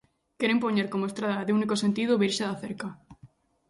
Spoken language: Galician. Queren poñer como estrada de unico sentido Virxe da Cerca